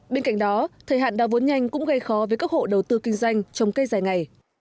bên cạnh đó thời hạn đa vốn nhanh cũng gây khó với các hộ đầu tư kinh doanh trong cây dài ngày